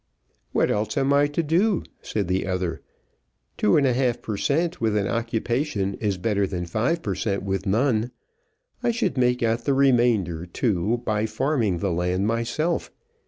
"What else am I to do?" said the other. "Two and a half per cent. with an occupation is better than five per cent. with none. I should make out the remainder, too, by farming the land myself.